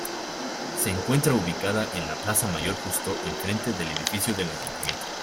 Se encuentra ubicada en la plaza Mayor justo enfrente del edificio del Ayuntamiento.